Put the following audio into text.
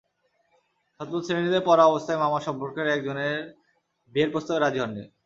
সপ্তম শ্রেণীতে পড়া অবস্থায় মামা সম্পর্কের একজনের বিয়ের প্রস্তাবে রাজি হননি।